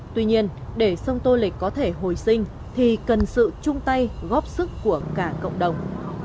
tuy nhiên để sông tô lịch có thể hồi sinh thì cần sự chung tay góp sức của cả cộng đồng